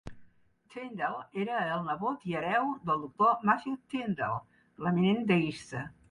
Tindal era el nebot i hereu del Doctor Matthew Tindal, l'eminent deista.